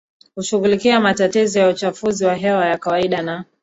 kushughulikia matatizo ya uchafuzi wa hewa ya kawaida na